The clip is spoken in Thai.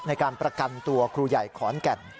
ในการประกันตัวครูใหญ่ขอนแก่น